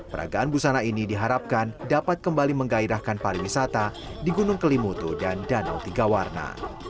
peragaan busana ini diharapkan dapat kembali menggairahkan pariwisata di gunung kelimutu dan danau tiga warna